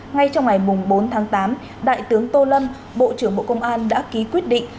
ngay trong ngày bốn tháng tám đại tướng tô lâm bộ trưởng bộ công an đã ký quyết định